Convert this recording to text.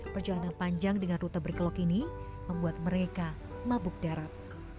perjalanan panjang dengan rute berkelok ini membuat mereka mabuk darat